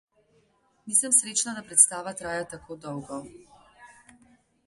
Nisem srečna, da predstava traja tako dolgo.